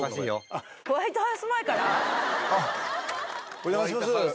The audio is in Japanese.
お邪魔します。